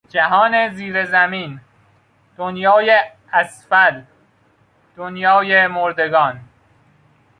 جهان زیر زمین، دنیای اسفل، دنیای مردگان